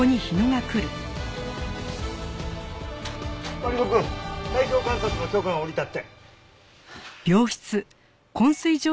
マリコくん体表観察の許可が下りたって。